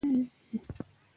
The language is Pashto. کوچنۍ پیسې هم باید وشمېرل شي.